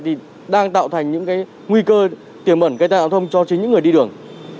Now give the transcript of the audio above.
thì đang tạo thành những cái nguy cơ tiềm ẩn cây thang giao thông cho chính những người đi đường